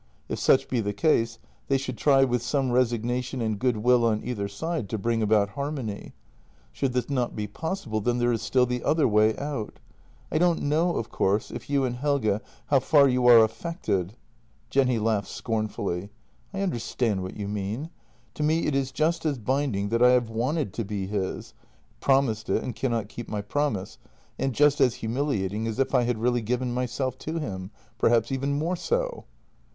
If such be the case, they should try with some resignation and goodwill on either side to bring about harmony. Should this not be possible, then there is still the other way out. I don't know, of course, if you and Helge — how far you are affected. ..." Jenny laughed scornfully: " I understand what you mean. To me it is just as binding that I have wanted to be his — promised it and cannot keep my promise — and just as humiliating as if I had really given myself to him — perhaps even more so."